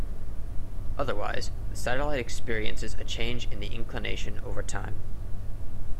Otherwise, the satellite experiences a change in the inclination over time.